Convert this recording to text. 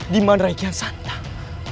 diman rai kiyan santang